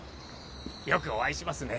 よくお会いしますね。